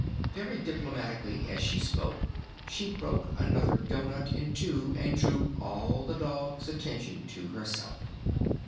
Very diplomatically as she spoke she broke another doughnut in two and drew all the dogs' attention to herself.